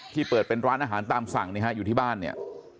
เปิดเป็นร้านอาหารตามสั่งนะฮะอยู่ที่บ้านเนี่ย